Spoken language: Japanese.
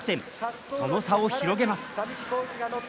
その差を広げます。